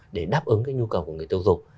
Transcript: để đáp ứng cái nhu cầu của người tiêu dùng